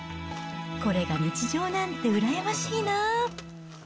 これが日常なんて羨ましいな。